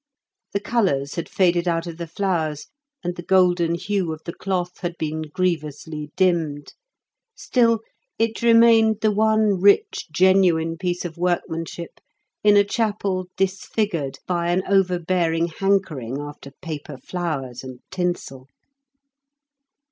The colours had faded out of the flowers, and the golden hue of the cloth had been grievously dimmed. Still it remained the one rich genuine piece of workmanship in a chapel disfigured by an overbearing hankering after paper flowers and tinsel.